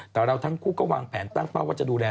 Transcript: แต่เราทั้งคู่ก็วางแผนตั้งเป้าว่าจะดูแล